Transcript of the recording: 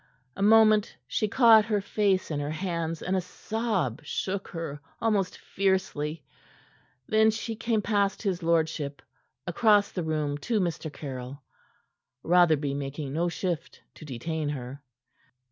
A moment she caught her face in her hands, and a sob shook her almost fiercely. Then she came past his lordship, across the room to Mr. Caryll, Rotherby making no shift to detain her.